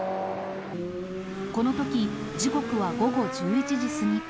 このとき時刻は午後１１時過ぎ。